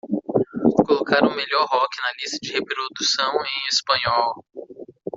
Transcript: colocar o melhor rock na lista de reprodução em espanhol